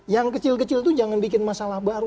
yang kecil kecil itu jangan bikin masalah baru